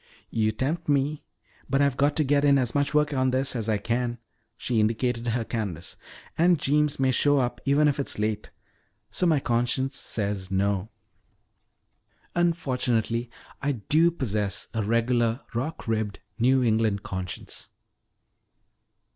"You tempt me, but I've got to get in as much work on this as I can," she indicated her canvas. "And Jeems may show up even if it is late. So my conscience says 'No.' Unfortunately I do possess a regular rock ribbed New England conscience."